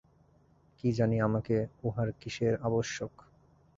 কী জানি আমাকে উহার কিসের আবশ্যক।